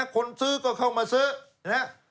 คนซื้อก็เข้ามาซื้อ